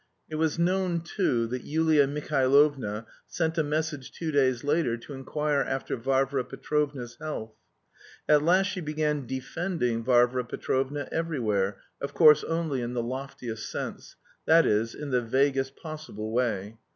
It was known, too, that Yulia Mihailovna sent a message two days later to inquire after Varvara Petrovna's health. At last she began "defending" Varvara Petrovna everywhere, of course only in the loftiest sense, that is, in the vaguest possible way.